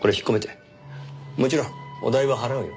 もちろんお代は払うよ。